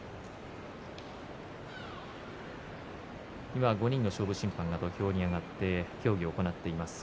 今、５人の勝負審判が土俵に上がって協議を行っていました。